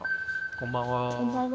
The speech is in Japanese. こんばんは。